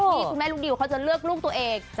นี่คุณแม่ลูกดิวเขาจะเลือกลูกตัวเอง